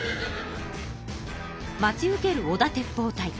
待ち受ける織田鉄砲隊。